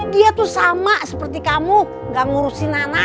dia tuh sama seperti kamu gak ngurusin anak